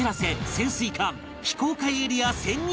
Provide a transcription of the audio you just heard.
潜水艦非公開エリア潜入